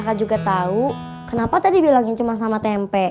iya kakak juga tahu kenapa tadi bilangnya cuma sampah tempe